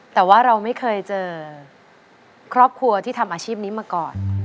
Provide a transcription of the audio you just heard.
แต่ว่าเราไม่เคยเจอครอบครัวที่ทำอาชีพนี้มาก่อน